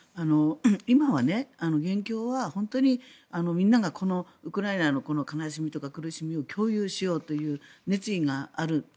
今は本当にみんながこの悲しみとか苦しみを共有しようという熱意がある。